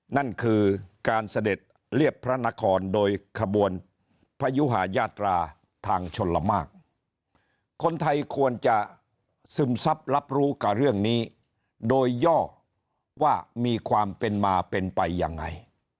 นั่นคือการเสด็จเรียบพระนครโดยขบวนพยุหายาตราทางชนละมากคนไทยควรจะซึมซับรับรู้กับเรื่องนี้โดยย่อว่ามีความเป็นมาเป็นไปยังไง